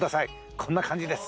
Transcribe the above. こんな感じです。